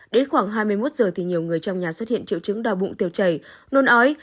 đến khoảng hai mươi một giờ thì nhiều người trong nhà xuất hiện triệu chứng đau bụng tiêu chảy nôn ói